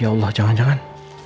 ya allah jangan jangan